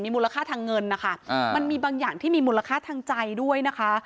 มูลค่าทางเงินนะคะมันมีบางอย่างที่มีมูลค่าทางใจด้วยนะคะ